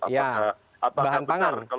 ya bahan pangan